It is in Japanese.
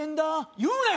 言うなよ